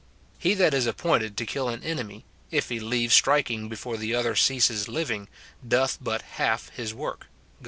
He that is appointed to kill an enemy, if he leave striking before the other ceases living, doth but half his work, Gal.